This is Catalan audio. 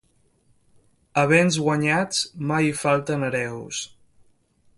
A béns guanyats mai hi falten hereus.